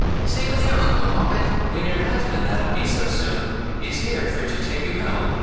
Stay with your uncle, Moppet? When your husband that'll be so soon, is here fur to take you home?